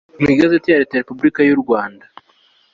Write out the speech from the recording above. mw igazeti ya leta ya repubulika y u rwanda